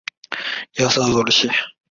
拉热伊翁。